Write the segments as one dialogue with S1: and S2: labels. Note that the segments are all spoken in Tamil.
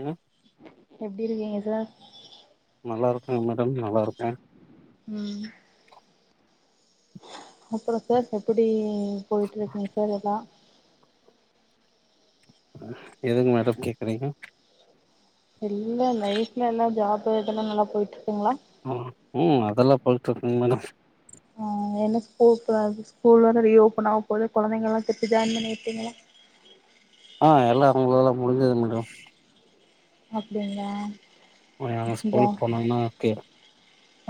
S1: ம்
S2: எப்டி இருக்கீங்க சர்
S1: நல்லா இருக்கே மேடம் நல்லா இருக்கே
S2: ம் அப்றோ சர் எப்பிடி போய்ட்டு இருக்குங் சர் எல்லா
S1: எதுங் மேடம் கேக்குறீங்க
S2: இல்ல லைஃப்லல்லா ஜாப்பு இதுல நல்லா போயிட்ருக்குங்ளா
S1: ம் ம் அதெல்லா போய்டுருக்ங் மேடம்
S2: ஆ என்ன ஸ்கோப்பு அடுத்து ஸ்கூல் வர ரீஓபன் ஆவபோது கொழந்தைகல்லா திட்டு ஜாய்ன் பண்ணிர்கிங்களா
S1: ஆ எல்லா அவுங்ககுலதெல்லா முடிஞ்சுது மேடோ
S2: அப்டிங்ளா
S1: மதியாணோ ஸ்கூல்க்கு போனோனா தேட்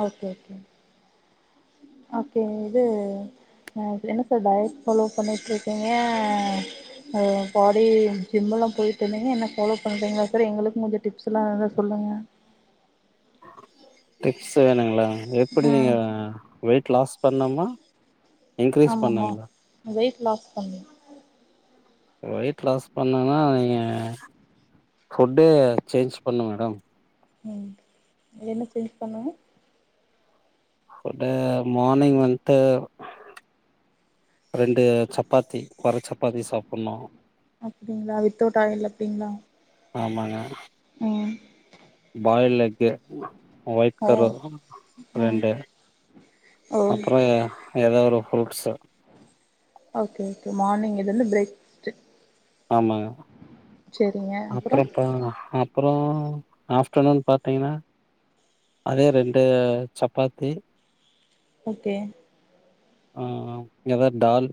S2: ஓகே ஓகேங் ஓகே இது என்ன சர் டயட் பாலோ பண்ணிட் இருக்கீங்க ஓ பாடி ஜிம் எல்லா போய்ட்டு இருந்தீங்க என்ன ஃபாலோ பண்றீங்ளா சர் எங்களுக்கு கொஞ்சோ டிப்ஸ் எல்லா சொல்லுங்க
S1: டிப்ஸ் வேணுங்ளா எப்டி
S2: ம்
S1: நீங்க வெயிட் லாஸ் பண்ணுமா இன்க்ரீஸ்
S2: ஆமமா
S1: பண்ணுங்களா
S2: வெயிட் லாஸ் பண்ணி
S1: வெயிட் லாஸ் பண்ணேன்னா நீங்க ஃபுட்டு சேஞ்ச் பண்ணு மேடம்
S2: ம் என்ன சேஞ்ச் பண்ணனு
S1: ஃபுட்டு மார்னிங் வந்ட்டு ரெண்டு சப்பாத்தி ஒரு சப்பாத்தி சாப்புட்ணு
S2: அப்டிங்ளா வித்தவ்ட் ஆயில் அப்டிங்ளா
S1: ஆமாங்க
S2: ம்
S1: பாயில் எக்கு அ ஒயிட்
S2: ஓ
S1: கரு
S2: ம்
S1: ரெண்டு
S2: ஓ
S1: அப்றோ எ எதா ஒரு ஃப்ரூட்ஸு
S2: ஓகே ஓகே மார்னிங் இது வந்து பிரேக் ஃபஸ்ட்டு
S1: ஆமாங்க அப்றோ எப்ப அப் ப்றோ ஆஃப்டர்நூன் பாத்திங்கனா அதே ரெண்டு சப்பாத்தி
S2: ஓகே
S1: ஆ ஆ எதாது தால்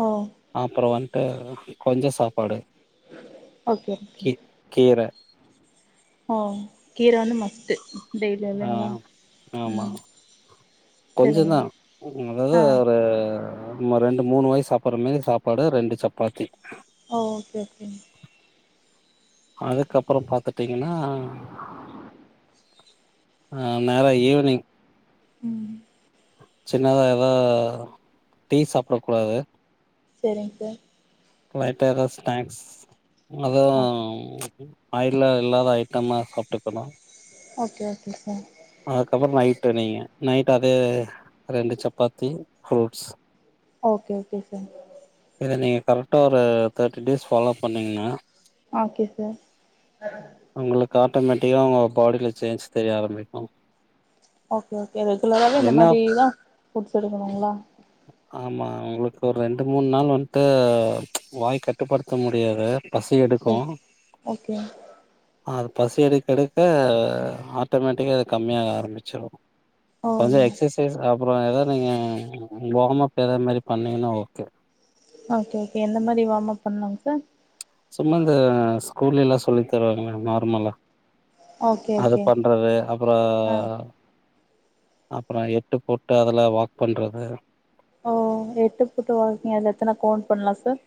S2: ஆ
S1: அப்றோ வந்ட்டு கொஞ்ச சாப்பாடு
S2: ஓகே
S1: கீ
S2: ஓகேங்க
S1: கீர
S2: ஓ கீர வந்து மஸ்ட்டு டெய்லி
S1: ஆ
S2: இல்லைங்களா
S1: ஆமா
S2: ம் சரிங்க
S1: கொஞ்சந்தா ம் அதாவ்து
S2: ஆ
S1: ஒரு சும்மா ரெண்டு மூணு வாய் சாப்புட்ற மாரி சாப்பாடு ரெண்டு சப்பாத்தி
S2: ஓ ஓகே ஓகேங்க
S1: அதுக்கப்பற பாத்துட்டீங்கனா ஆ நேரா ஈவ்னிங்
S2: ம்
S1: சின்னதா எதா டீ சாப்டக் கூடாது
S2: செரிங் சார்
S1: லைட்டா எதாவ்து ஸ்நாக்ஸ் அதுவு
S2: சார் ஓகே
S1: எப்டி ஆயில்லா இல்லாத ஐட்டம்மா சாப்ட்டுக்கணு
S2: ஓகே ஓகே சார்
S1: அதுக்கப்பற நைட்டு் நீங்க நைட்டு அதே ரெண்டு chapati fruits
S2: okay okay sir
S1: இத நீங்க கரெக்டா ஒரு தேர்ட்டி டேஸ் ஃபாலோ பண்ணிங்கனா
S2: ஓகே சார்
S1: உங்களுக்கு ஆட்டோமேட்டிக்கா உங்க பாடில சேஞ்ச் தெரிய ஆரம்பிக்கு
S2: ஓகே ஓகே ரெகுலராவே இந்த
S1: என்ன
S2: மாரிதா ஃபுட்ஸ் எடுக்கணுங்களா
S1: ஆமா உங்களுக்கு ஒரு ரெண்டு மூண் நாள் வந்ட்டு வாய் கட்டுப்படுத்த முடியாது பசி எடுக்கு
S2: சரி ஓகே
S1: அது பசி எடுக்க எடுக்க ஆட்டோமேட்டிக்கா அது கம்மியாக ஆரம்மிச்சிரு
S2: ஓ
S1: கொஞ்ச எக்சஸ் பேசுங்க அப்றோ எதாவ்து நீங்க வார்ம்அப் எதாவ்து மாரி பண்ணீங்கனா ஓகே
S2: ஓகே ஓகே எந்த மாரி வார்ம் அப் பண்லாங்க சார்
S1: சும்மா இந்த ஸ்கூல்லேலா சொல்லி தருவாங்கள நார்மலா
S2: ஓகே
S1: அது
S2: ஓகே
S1: பண்றது அப்ற
S2: ஆ
S1: அப்புற எட்டு போட்டு அதுல வாக் பண்றது
S2: ஓ எட்டு போட்டு வாக்கிங்கா அதுல எத்தன கவுண்ட் பண்லா சார்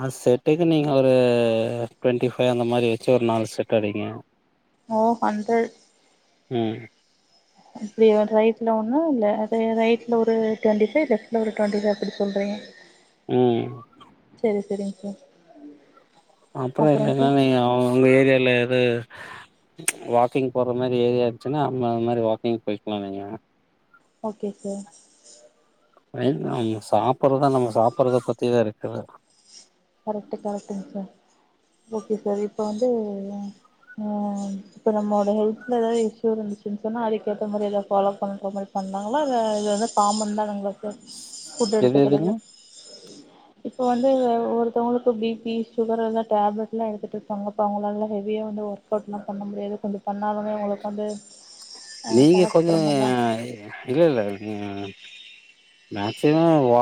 S1: அ செட்டுக்கு நீங்க ஒரு ட்வெண்ட்டி ஃபைவ் அந்த மாரி வச்சு ஒரு நாலு செட் அடிங்க
S2: ஓ அந்து
S1: ம்
S2: அப்டிய ரைட்ல ஒன்னு இல்ல அத ரைட் ஒரு ட்வெண்டி ஃபை ஃலெப்ட் ஒரு டுவென்டி ஃபைவ் அப்டி சொல்றிங்க
S1: ம்
S2: செரி சரிங்க சார்
S1: அப்புறோ
S2: அப்புறங்க
S1: இல்லனா
S2: சார்
S1: நீங்க உங்க ஏரியால எது வாக்கிங் போற மாரி ஏரியா இருந்துச்சுன்னா நம்ம அது மாரி வாக்கிங் போயிக்லா நீங்க
S2: ஓகே சார்
S1: நம்ம சாப்பறதுதா நம்ம சாப்பறத பத்திதா இருக்குது
S2: கரெக்ட்டு கரெக்ட்டுங்க சார் ஓகே சார் இப்போ வந்து அ இப்போ நம்மோட ஹெல்த் எதாது இஸ்யூ இருந்துச்சுன் சொன்னா அதுக்கேத்த மாரி எதா ஃபாலோ பண்ற மாரி பண்லாங்களா இது எதோ காமன் தானுங்கள [unintelligible] இப்ப
S1: எது
S2: எடுத்துக்கடது
S1: எதுங்க
S2: இப்ப வந்து ஒரு டோனுக்கு பி பி சுகர் எல்லா டேப்லெட்ல்லா எடுத்துட்டு இருப்பாங்க அப்ப அவுங்க எல்லா ஹெவியா வந்து வொர்க் அவுட்ல்லா பண்ண முடியாது கொஞ்ச பண்ணாலுமே அவுங்களுக்கு வந்து
S1: நீங்க
S2: தலை
S1: கொஞ்ச
S2: சுத்துற மாதிரிலாம்
S1: இல்ல இல்ல நி மேக்சிமம் வ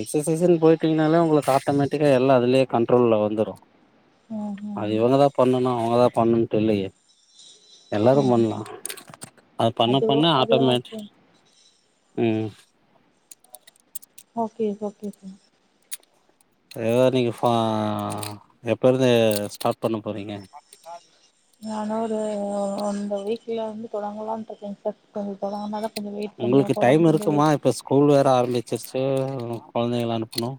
S1: எக்ஸ்சசைஸ்ன்னு போயிட்டீங்கனாலே உங்களுக்கு ஆட்டோமேட்டிக்கா எல்லா அதுலே கண்ட்ரோல்ல வந்துரு
S2: ம்
S1: அது
S2: ம்
S1: இவங்கதா பண்ணனு அவங்கதா பண்ணனுட்டு இல்லையே எல்லாரு
S2: ம்
S1: பண்லா
S2: ம்
S1: அது பண்ண பண்ண
S2: அதுவும் அதுவும்
S1: ஆட்டோமேட்
S2: ஓகே
S1: ம்
S2: ஓகே ஓகே சார்
S1: வேறிங்கஃபா எப்ப இருந்து ஸ்டாட் பண்ண போறீங்க சாரி
S2: நானு ஒரு இந்த வீக்ல வந்து தொடங்கலாம்ட்டு இருக்கே சார் கொஞ்சம் தொடங்கனாதா கொஞ்ச வெயிட் பண்ணுவோ
S1: உங்களுக்கு டைம்
S2: குடம்முடிஞ்சோ வெயி
S1: இருக்குமா இப்ப ஸ்கூல் வேர ஆரம்பிச்சிருச்சு கொழந்தைங்கல்லா அனுப்புனு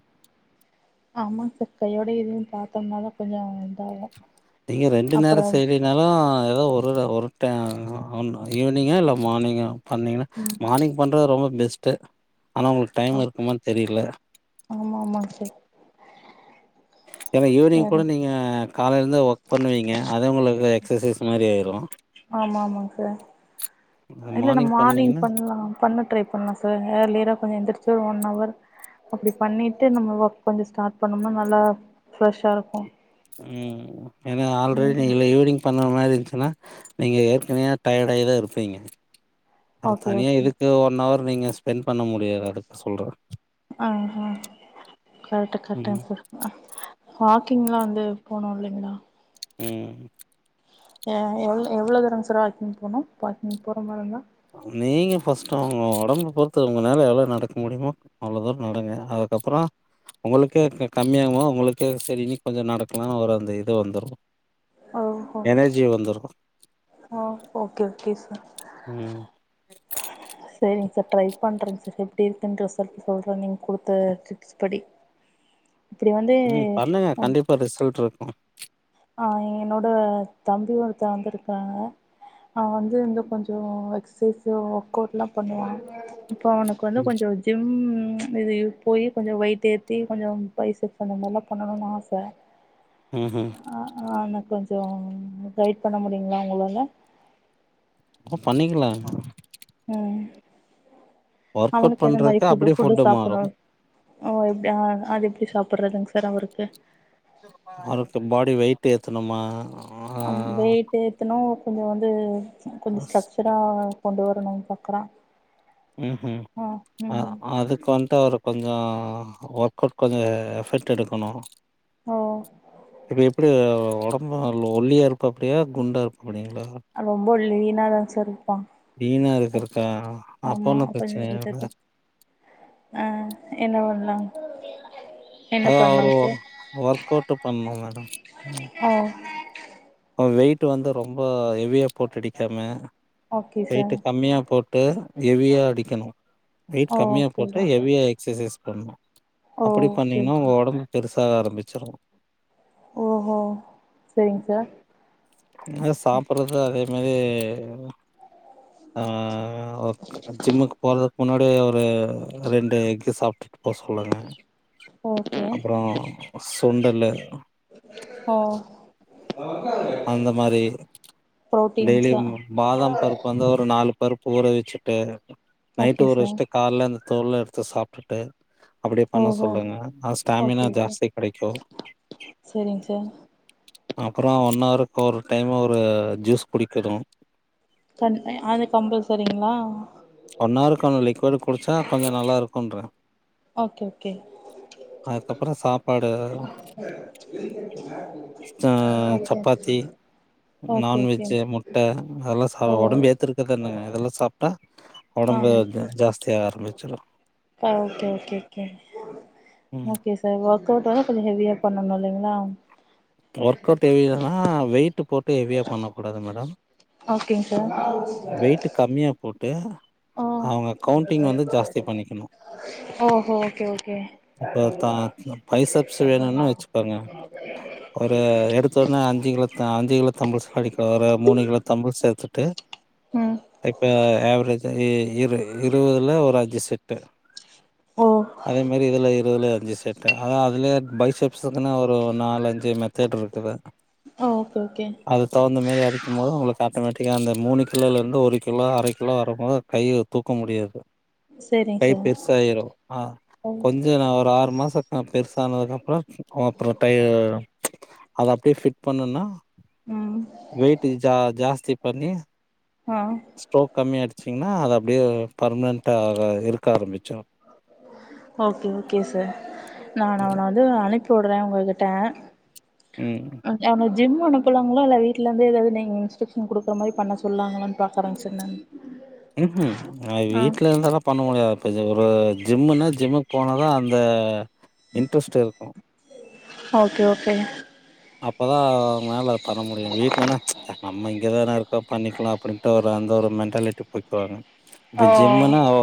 S2: ஆமாங் சார் கையோட இதுன்னு பாத்தோம்ன தா கொஞ்ச இதாவூ
S1: நீங்க ரெண்டு நேர செய்வே னாலு எதா ஒருதட ஒருடைம் ஈவினிங்கா இல்ல மார்னிங்கா பண்ணிங்கனா
S2: ம்
S1: மார்னிங் பண்றது ரொம்ப பெஸ்ட்டு ஆனா உங்களுக்கு
S2: ஆ
S1: டைம் இருக்குமானு தெரில
S2: ஆமா ஆமாங் சார்
S1: ஏன்னா ஈவினிங்
S2: வேற
S1: கூட நீங்க காலையிலந்து ஒர்க் பண்ணுவீங்க அது உங்களுக்கு எக்ஸசைஸ் மாரி ஆயிரு
S2: ஆமா ஆமாங் சார்
S1: அது
S2: இல்ல நா மார்னிங்
S1: பண்ணீங்கன்னா
S2: பண்லா பண்ண ட்ரை பண்லா சார் ஏர்லியரா கொஞ்ச எந்திரிச்சு ஒன் ஹவர் அப்டி பண்ணிட்டு நம்ம ஒர்க் கொஞ்ச ஸ்டார்ட் பண்ணம்னா நல்லா ஃப்ரெஷ்ஷா இருக்கு
S1: ம் ஏன்னா ஆல்ரெடி
S2: ம்
S1: இல்ல ஈவிங் பண்ற மாரி இன்ச்சினா நீங்க ஏற்கனே டயடாயிதா இருப்பீங்க அப்ற
S2: ஓகே
S1: தனியா
S2: ஓகே
S1: எதுக் ஒன் ஹவர் நீங்க ஸ்பெண்ட் பண்ண முடியாது அதுக்கு சொல்ற
S2: ஆ ஹ கரெக்ட்
S1: ம்
S2: கரெட்டுங்க சார் வாக்கிங்லா வந்து போனு இல்லைங்களா
S1: ம்
S2: ஆ எவ்ளோ எவ்வளோ தூரங்க சார் வாக்கிங் போனும் வாக்கிங் போறமாரி இருந்தா
S1: நீங்க பர்ஸ்ட் ஒங்க ஒடம்பு பொறுத்து உங்களால எவ்ளோ நடக்க முடியுமோ அவ்ளவு தூரோ நடங்க அதுக்கப்பறம் உங்களுக்கே கம்மியாமோ உங்களுக்கே செரி இன்னு கொஞ்சம் நடக்கலாம்னு ஒரு அந்த இது வந்துடும் எனர்ஜி வந்துரும்
S2: ஆ ஓகே ஓகே சார்
S1: ம்
S2: ஆகே செரிங்க சார் ட்ரை பண்றேங்க சார் எப்டி [unintelligible] இருக்குன்னு ரிசல்ட் சொல்றேன் நீங்க கொடுத்த ப்ஸ் படி இப்படி வந்து
S1: ம் பண்ணுங்க கண்டிப்பா ரிசல்ட் வரோ
S2: ஆ என்னோட தம்பி ஒருத்தே வந்திருக்காங்க அவ வந்து இருந்து கொஞ்ச எக்சசைஸ் ஒர்க் அவுட்ல்லாம் பண்ணுவா இப்ப அவனுக்கு வந்து கொஞ்சோ ஜிம் இது போய் கொஞ்ச வெயிட் ஏற்றி கொஞ்ச பைச எஃப் அந்த மாரிலாம் பண்ணணும்ன்னு ஆச
S1: ஹுஹம்
S2: ஆ ஆ கொஞ்ச கைட் பண்ண முடியுங்களா உங்களால
S1: அப்றோ பண்ணிங்லா
S2: ம்
S1: ஒர்க் அவுட்
S2: அவனுக்கு எந்த மாரி
S1: பண்றதுக்கு
S2: ஃபுட்டு
S1: அப்டியே
S2: ஃபுட்டு
S1: மாறு
S2: சாப்ணும் ஓ எப்டி அது எப்டி சாப்ட்றதுங் சார் அவருக்கு
S1: அவருக்கு பாடி வெயிட் ஏத்தணுமா ஆ
S2: வெயிட் ஏத்துனோ கொஞ்ச வந்து கொஞ்சம் ஸ்ட்ரக்சரா கொண்டு வரணும்னு ப்ராப்பரா
S1: ம் ம் அ அதுக்கு வந்து [unintelligible] கொஞ்ச ஒர்க் கவுட் கொஞ்சோ எஃபெட் எடுக்கணும்
S2: ஓ
S1: இது எப்டி ஒடம் [unintelligible] ஒல்லியா இருப்பாப்டியா குண்டாருப்பாங்ளா
S2: ரொம்ப லினாதா சார் இருப்பான்
S1: லீனா இருக்கரதா அப்ப ஒண்ணு
S2: கொஞ்சோ
S1: பிரச்சனையில்ல
S2: விட்டது ஆ என்ன பண்ணலா
S1: அதா ஒரு ஒர்க் அவுட் பண்ணனு மேடம்
S2: ஆ
S1: அவர் வெயிட் வந்து ரொம்ப ஹெவியா போட்டுடிங்க மேம்
S2: ஓகே சார்
S1: வெயிட்டு கம்மியா போட்டு ஹெவியா அடிக்கணு வெயிட்
S2: ஓ
S1: கம்மியா
S2: ஓகே
S1: போட்டா ஹெவியா எக்ஸசைஸ் பண்ணனு
S2: ஓ
S1: அப்டி
S2: ஓகே
S1: பண்ணீங்கன்னா உங்க உடம்பு பெருசாக ஆரம்பிச்சிடு
S2: ஓ ஓ செரிங் சார்
S1: ம் சாப்பறது அதே மாரி ஆ ஜிம்முக்கு போறதுக்கு முன்னாடியே ஒரு ரெண்டு எக்கு சாப்ட்டு போ சொல்லுங்க
S2: ஓகே
S1: அப்போறோ சுண்டலு
S2: ஓ அவங்க [unintelligible]
S1: அந்த மாரி டெய்லியும் பாதாம் பருப்பா இருந்தா ஒரு நாலு பருப்பு ஊறவச்சுட்டு நைட்டு
S2: ஓகே
S1: ஒரு
S2: சார்
S1: [unintelligible] கால்ல அந்த தோல்லா எடுத்து சாப்பிட்டு அப்டியே பண்ண
S2: ஓஹோ
S1: சொல்லுங்க ஆ ஸ்டாமினா ஜாஸ்தி கெடைக்கு
S2: செரிங் சார்
S1: அப்பறோ ஒன்னவருக் ஒரு டைமு ஒரு ஜூஸ் குடிக்கணு
S2: கண் அ அது கம்ஃபல்சரிங்ளா
S1: ஒன்னவருக் அந்த லிக்விடு குடிச்சா கொஞ்சோ நல்லாருக்குன்ற
S2: ஓகே ஓகே
S1: அதுக்கப்புறோ சாப்பாடு ஆ
S2: okay
S1: chapati
S2: okay okay
S1: non veg, முட்ட அதெல்லா சா
S2: ஓ
S1: ஒடம்பு ஏத்தற த்துகங்க இதெல்லா சாப்ட்டா ஒடம்பு அத் ஜாஸ்தியாக ஆரம்பிச்சுரு
S2: ஆ ஓகே ஓகே ஓகே
S1: ம்
S2: ஓகே சார் ஒர்க் அவுட்டெல்லா கொஞ்சோ ஹெவியா பண்ணனு இல்லீங்களா
S1: ஒர்க் அவுட் ஹெவியானா வெயிட்டு போட்டு ஹெவியா பண்ணக் கூடாது மேடம் வெயிட்
S2: [inaudible]
S1: கம்மியா போட்டு
S2: ஓ
S1: அவுங்க கவுண்ட்டிங் வந்து ஜாஸ்தி பண்ணிக்கனு
S2: ஓஹோ ஓகே ஓகே
S1: இப்ப தா அ பைசப்ஸ் வேணுன் வெச்சுக்கோங்க
S2: [inaudible]
S1: ஒரு எடுத்த உட்னே அஞ்சு கிலோ தா அஞ்சு கிலோ தம்புள்ஸ் அடிக்க ஒரு மூணு கிலோ தம்புள்ஸ் சேத்துட்டு
S2: ம்
S1: இப்ப ஆவ்ரேஜா இ இரு இருவதுல ஒரு அஞ்சு செட்டு
S2: ஓ
S1: அதே மாரி இதுல இருவதுல அஞ்சு செட் டு ஆனா அதுலே பைசப்ஸ் சேத்துனா ஒரு நாலஞ்சு மெதேட் ருக்குல்ல
S2: ஓகே ஓகே
S1: அது தகுந்த மாரி அடிக்கும் போது உங்களுக் ஆட்டோமேட்டிக்கா அந்த மூணு கிலோலிர்ந்து ஒரு கிலோ அர கிலோ வரும்போது கையி தூக்க முடியாது
S2: சேரிங்க
S1: கை
S2: சார்
S1: பெர்சாய்ரு ஆ
S2: ஓ
S1: கொஞ்ச நா ஒரு ஆறு மாசோ ந பெர்சானதுக்கப்பறோ அப்றோ டயி அது அப்டியே ஃபிட் பண்ணுனா
S2: ம்
S1: வெய்ட்டு ஜா ஜாஸ்தி பண்ணி
S2: அ
S1: ஸ்ட்ரோக் கம்மியாய்டுச்சிங்ன்னா அது அப்டியே பர்ம்னன்ட்டா ஆகாத் இருக்க ஆரம்பிச்சுரு
S2: ஓகே ஓகே சார் நான் அவன வந்து அனுப்பி உட்றே உங்ககிட்ட
S1: ம்
S2: அ அவன ஜிம் அனுப்புலாங்களா இல்ல வீட்லர்ந்து எதாவ்து நீங் இன்ஸ்ட்ரக்க்ஷன் குடுக்கற மாரி பண்ண சொல்லாங்களான் பாக்கறங் சார் நானு ம்
S1: ம் ம் அது வீட்ல இருந்தெல்லா பண்ண முடியாது ப்ப இது ஒரு ஜிம்முன்னா ஜிம்முக் போனா தா அந் த இன்ட்ரெஸ்ட் இருக்கு
S2: ஓகே ஓகே
S1: அப்பதா மேல பண்ண முடியு வீட்லனா அ நம்ம இங்கதான இருக்கோ பண்ணிக்கலா அப்டின்ட்டு ஒரு அந்த ஒரு மென்ட்டாலிட்டி போய்க்குவாங்க இப்ப
S2: ஓ
S1: ஜிம்முனா ஓ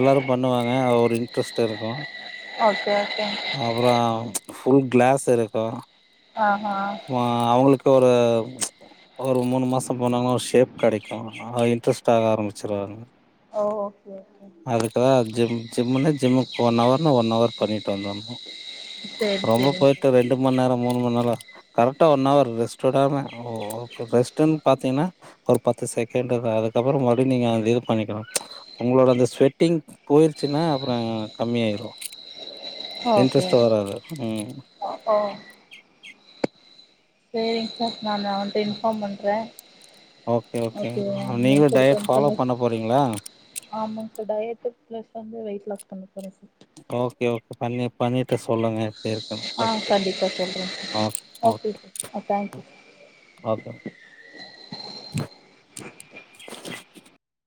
S1: எல்லாரு பண்ணுவாங்க ஒரு இன்ட்ரெஸ்ட் இருக்கு
S2: ஓகே ஓகேங்
S1: அப்பறோ ஃபுல் கிளாஸ் இருக்கு
S2: ஆ ஆ
S1: அ அவுங்ளுக்கு ஒரு ஒரு மூணு மாசோ போனாங்கனா ஒரு ஷேப் கெடைக்கு அன்னா இன்ட்ரெஸ்ட் ஆக ஆரம்பிச்சிருவாங்க
S2: ஓ ஓகே ஓகே
S1: இப்பதா ஜிம் ஜிம்முன்னா ஜிம்முக்கு ஒன் அவர்ன்னா ஒன் அவர் பண்ணிட்டு வந்துண்ணு
S2: சேரி
S1: ரொம்ப
S2: சேரிங் சார்
S1: போயிட்டு ரெண்டு மண் நேரோ மூணு மண் நேரோ கரெக்டா ஒன் அவர் ரெஸ்ட்வுடாம ஓ ஓகே ரெஸ்ட்ன்னு பாத்தீங்கன்னா ஒரு பத்து செகண்ட் அதுக்கப்பற மறுபடியு நீங்க அந்த இது பண்ணிக்கணு உங்களோட அந்த ஸ்வெட்டிங் போயிருச்சுன்னா அப்பற கம்மியாயிரு
S2: ஓகே
S1: இன்ட்ரெஸ்ட் வராது ம்
S2: ஓ ஒ சேரிங் சார் நானு வந் இன்ஃபார்ம் பண்ணுறே
S1: ஓகே ஓகே
S2: ஓகேயா நீ
S1: நீங்களு டயட்
S2: குடுத்தனு
S1: ஃபாலோ
S2: சொல்லி
S1: பண்ண போறீங்களா
S2: ஆமாங் சார் டயட்டு பிளஸ் வந்து வெயிட் லாஸ் பண்ண போறே சார்
S1: ஓகே ஓகே பண்ணி பண்ணிட்டு சொல்லுங்க இருக்கனு
S2: ஆ
S1: ஓகே
S2: கண்டிப்பா சொல்றே சார்
S1: ஓகே
S2: சார் ஆ தேங்க்யூ சார்.
S1: ஓகே மேம்
S2: அஹ [inaudible]